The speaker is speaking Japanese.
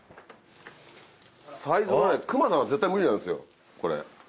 サイズが隈さんは絶対無理なんですよこれ。